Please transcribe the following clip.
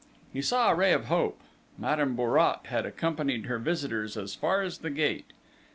He saw a ray of hope: Madame Bourrat had accompanied her visitors as far as the gate.